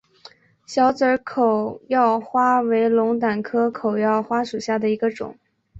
小籽口药花为龙胆科口药花属下的一个种。